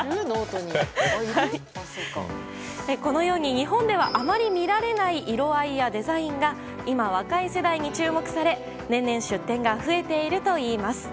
このように日本ではあまり見られない色合いやデザインが今、若い世代に注目され年々、出展が増えているといいます。